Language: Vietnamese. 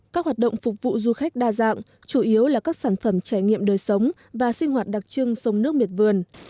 các hoạt động phục vụ du khách đa dạng chủ yếu là các sản phẩm trải nghiệm đời sống và sinh hoạt đặc trưng sông nước miệt vườn